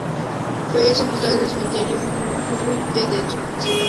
Fue sepultado en el cementerio Mount Olivet de Detroit.